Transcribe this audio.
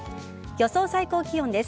予想最高気温です。